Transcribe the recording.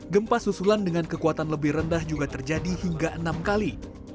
gempa susulan dengan kekuatan lebih rendah juga terjadi hingga enam kali